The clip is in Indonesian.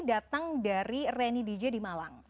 datang dari reni dj di malang